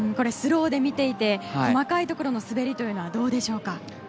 スローで見ていて細かいところの滑りはどうでしょうか。